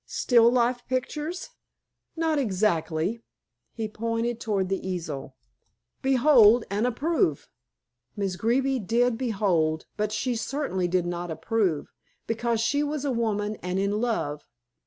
Still life pictures?" "Not exactly." He pointed toward the easel. "Behold and approve." Miss Greeby did behold, but she certainly did not approve, because she was a woman and in love.